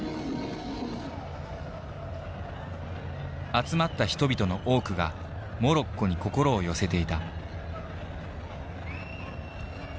集まった人々の多くがモロッコに心を寄せていた。